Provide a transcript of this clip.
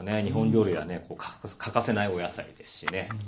日本料理には欠かせないお野菜ですしね。